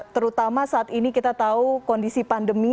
terutama saat ini kita tahu kondisi pandemi